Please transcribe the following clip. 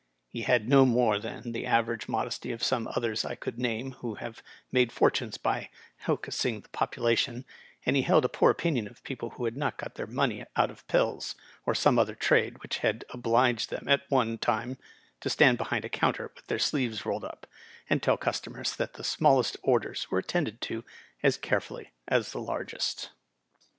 He had no more than the aver age modesty of some others I could name who have made fortunes by hocusing the population, and he held a poor opinion of people who had not got their money out of pills, or some other trade which had obliged them at one time to stand behind a counter with their sleeves rolled up, and tell customers that the smallest orders were attended to as carefully as the largest.